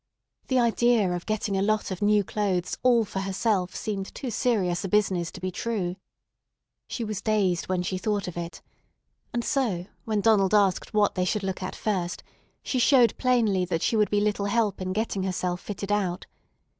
The idea of getting a lot of new clothes all for herself seemed too serious a business to be true. She was dazed when she thought of it; and so, when Donald asked what they should look at first, she showed plainly that she would be little help in getting herself fitted out.